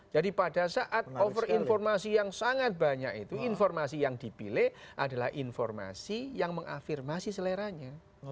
jadi pada saat over informasi yang sangat banyak itu informasi yang dipilih adalah informasi yang mengafirmasi seleranya